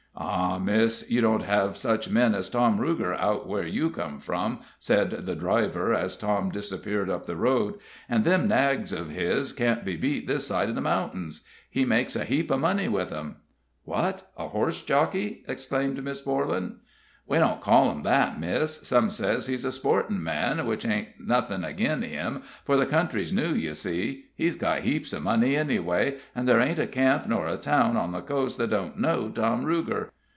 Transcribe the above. "Ah, Miss, you don't have such men as Tom Ruger out where you come from," said the driver, as Tom disappeared up the road. "And them nags of his'n can't be beat this side of the mountains. He makes a heap o' money with 'em." "What! a horse jockey?" exclaimed Miss Borlan. "We don't call him that, miss. Some says he's a sportin' man, which ain't nothin' ag'in him, for the country's new, ye see. He's got heaps o' money anyway, and there ain't a camp nor a town on the coast that don't know Tom Ruger.